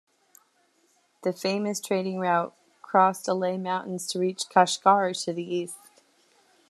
The famous trading route crossed Alay Mountains to reach Kashgar to the east.